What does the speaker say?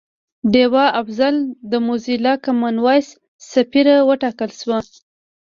ډیوه افضل د موزیلا کامن وایس سفیره وټاکل شوه